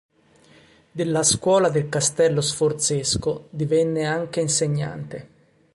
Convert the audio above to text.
Della Scuola del Castello Sforzesco divenne anche insegnante.